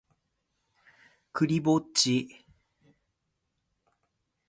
クリぼっち